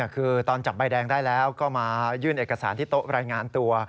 คือตอนจับใบแดงได้แล้วก็มายื่นเอกสารที่โต๊ะรายงานตัว